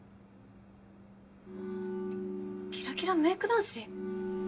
キラキラメイク男子？